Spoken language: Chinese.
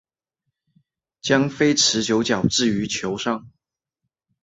将非持球脚置于球上。